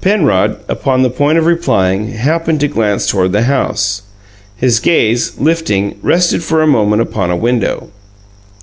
Penrod, upon the point of replying, happened to glance toward the house. His gaze, lifting, rested for a moment upon a window.